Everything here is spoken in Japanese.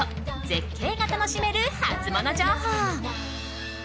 絶景が楽しめるハツモノ情報。